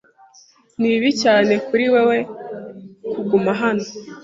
Ni bibi cyane kuri wewe kuguma hano.